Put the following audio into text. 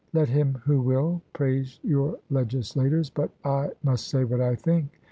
Let him who will, praise your legislators, but I must say what I think.